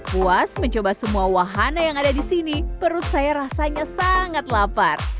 puas mencoba semua wahana yang ada di sini perut saya rasanya sangat lapar